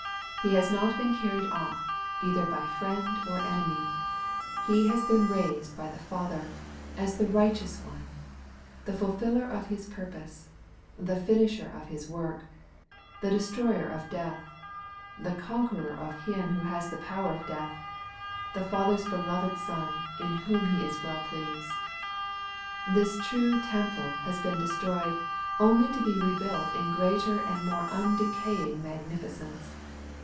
He has not been carried off, either by friend or enemy ; He has been raised What the Besurrection of the Substitute has done. 133 by the Father, as the righteous One ; the fulfiller of His purpose ; the finisher of His work ; the de stroyer of death; the conqueror of him who has the power of death ; the Father's beloved Son, in whom He is well pleased. This true temple has been destroyed, only to be rebuilt in greater and more undecaying magnificence.